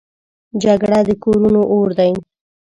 جګړه د کورونو اور دی